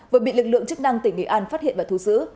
vừa bị lực lượng chức năng tỉnh nghệ an phát hiện và thu giữ